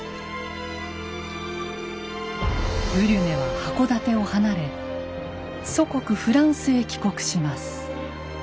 ブリュネは箱館を離れ祖国フランスへ帰国します。